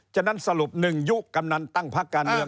ฉะนั้นสรุป๑ยุคกำนันตั้งพักการเมือง